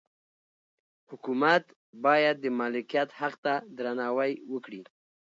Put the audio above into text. حکومت باید د مالکیت حق ته درناوی وکړي.